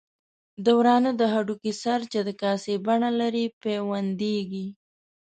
د ورانه د هډوکي سره چې د کاسې بڼه لري پیوندېږي.